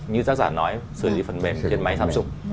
như tác giả nói xử lý phần mềm trên máy samsung